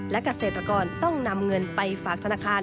และเกษตรกรต้องนำเงินไปฝากธนาคาร